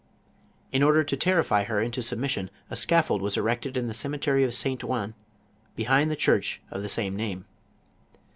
In order to terrify her into submission, a scaffold was erected in the cemetery of St. Ouen, I chind the church of the same name.